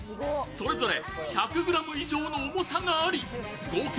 それぞれ１００ｇ以上の重さがあり合計